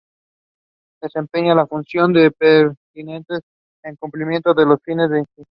Desempeñar las demás funciones pertinentes en cumplimiento de los fines de la institución.